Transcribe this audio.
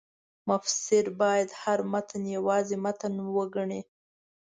مفسر باید هر متن یوازې متن وګڼي.